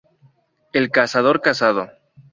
El cazador cazado